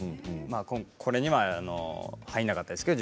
これには入らなかったんですけどね